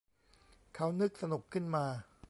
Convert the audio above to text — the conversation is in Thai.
เขานึกสนุกขึ้นมา